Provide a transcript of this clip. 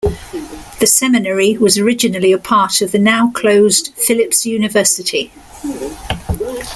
The seminary was originally a part of the now closed Phillips University.